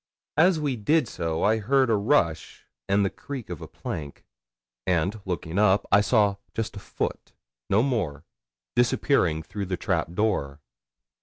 As we did so I heard a rush and the creak of a plank, and looking up, I saw just a foot no more disappearing through the trap door.